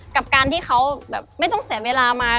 กับการที่เขาแบบไม่ต้องเสียเวลามา